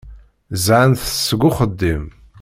Ẓẓɛen-t seg uxeddim.